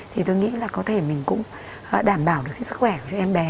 thì tôi nghĩ là có thể mình cũng đảm bảo được cái sức khỏe của em bé